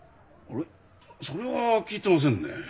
それは聞いてませんね。